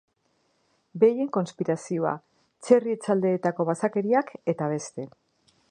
Behien konspirazioa, txerri etxaldeetako basakeriak eta beste.